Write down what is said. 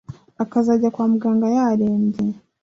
akazajya kwa muganga yarembye